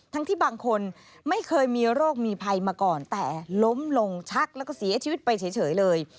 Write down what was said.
ที่บางคนไม่เคยมีโรคมีภัยมาก่อนแต่ล้มลงชักแล้วก็เสียชีวิตไปเฉยเลย